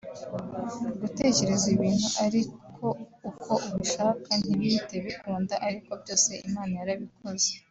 gutekereza ibintu ariko uko ubishaka ntibihite bikunda ariko byose Imana yarabikoze